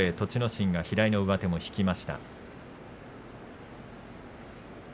心が左の上手も引きました。